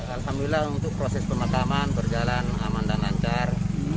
alhamdulillah untuk proses pemakaman berjalan aman dan lancar